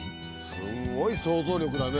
すんごい想像力だね。